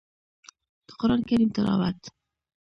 د قران کريم تلاوت